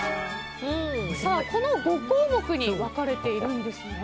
この５項目に分かれているんですよね。